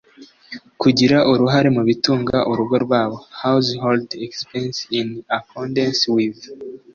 kugira uruhare mu bitunga urugo rwabo household expenses in accordance with